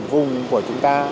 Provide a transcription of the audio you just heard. hẳn vùng của chúng ta